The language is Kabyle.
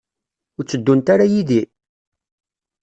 Ur tteddunt ara yid-i?